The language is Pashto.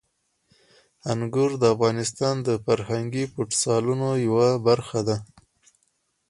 انګور د افغانستان د فرهنګي فستیوالونو یوه برخه ده.